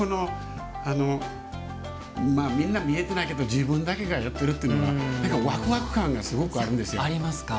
みんな見えてないけど自分だけが見えてるというのはワクワク感がすごくあるんですよ。